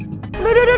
uh deki muda dong